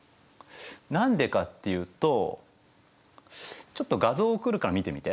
何でかっていうとちょっと画像送るから見てみて。